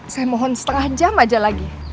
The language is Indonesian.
saya mohon setengah jam aja lagi